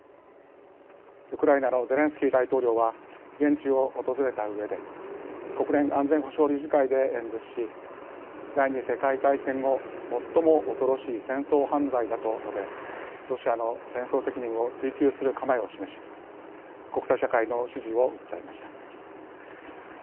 ウクライナのゼレンスキー大統領は現地を訪れたうえで国連安全保障理事会で演説し「第２次世界大戦後最も恐ろしい戦争犯罪だ」と述べロシアの戦争責任を追及する構えを示し国際社会の支持を訴えました。